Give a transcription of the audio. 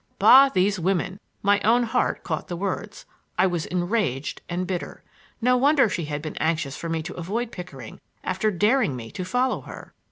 Bah, these women! My own heart caught the words. I was enraged and bitter. No wonder she had been anxious for me to avoid Pickering after daring me to follow her!